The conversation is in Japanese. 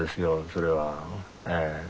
それはええ。